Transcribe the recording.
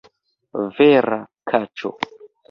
Vera kaĉo!